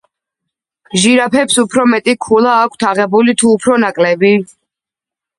ჟირაფებს უფრო მეტი ქულა აქვთ აღებული, თუ უფრო ნაკლები?